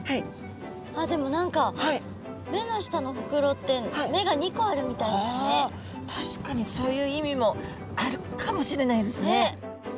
あっでも何か目の下のほくろってあ確かにそういう意味もあるかもしれないですね。